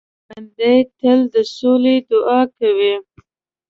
ژوندي تل د سولې دعا کوي